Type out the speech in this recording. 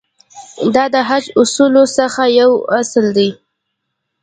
دا د حج اصولو څخه یو اصل دی.